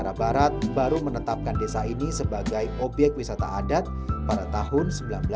dia akan menggunakan dengan bang sign selama dua ratus tahun